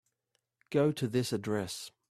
Go to this address.